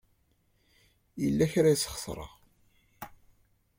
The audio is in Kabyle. Yella kra ay sxeṣreɣ.